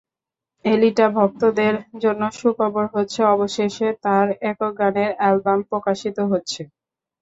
এলিটা ভক্তদের জন্য সুখবর হচ্ছে, অবশেষে তাঁর একক গানের অ্যালবাম প্রকাশিত হচ্ছে।